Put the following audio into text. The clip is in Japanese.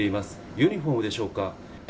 ユニホームでしょうか。